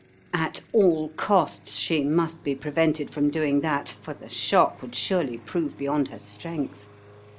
At all costs she must be prevented from doing that, for the shock would surely prove beyond her strength.